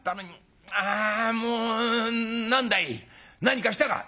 あもう何だい？何かしたか？」。